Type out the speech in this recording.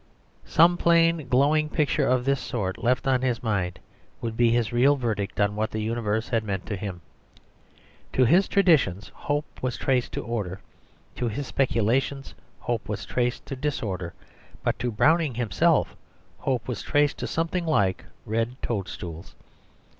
Some plain, glowing picture of this sort left on his mind would be his real verdict on what the universe had meant to him. To his traditions hope was traced to order, to his speculations hope was traced to disorder. But to Browning himself hope was traced to something like red toadstools.